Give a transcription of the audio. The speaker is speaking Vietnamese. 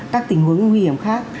các tình huống nguy hiểm khác